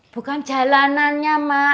bukan jalanannya mak